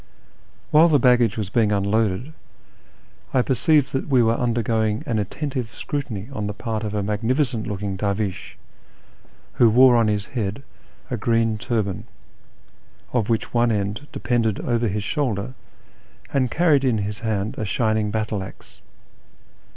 "VAHiile the baggage was being unloaded, I perceived that we were undergoing an attentive scrutiny on the part of a magnificent looking dervish, who wore on his head a green turban, of which one end depended over his shoulder, and carried in his hand a shining battle axe.